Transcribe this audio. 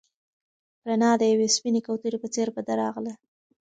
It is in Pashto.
رڼا د یوې سپینې کوترې په څېر په ده راغله.